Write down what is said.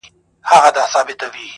چي په اغزیو د جنون دي نازولی یمه!.